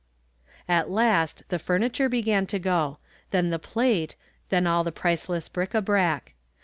At last the furniture began to go, then the plate, then ail the priceless bric a brac.